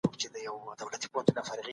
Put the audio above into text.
هغه د هر چا بلنه منله.